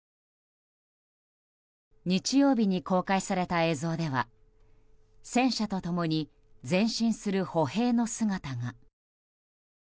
日曜日に公開された映像では戦車と共に前進する歩兵の姿が。